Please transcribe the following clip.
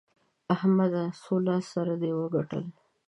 احمده! څو لاس سره دې وګټل؟